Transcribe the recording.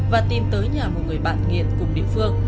và tìm tới nhà một người bạn nghiện cùng địa phương